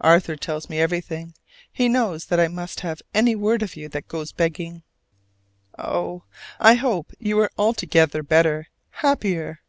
Arthur tells me everything: he knows I must have any word of you that goes begging. Oh, I hope you are altogether better, happier!